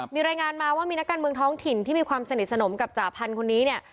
มีรายงานมาว่ามีนักการเมืองท้องถิ่นที่มีความสนิทสนมกับจ่าพันธุ์คนนี้เนี่ย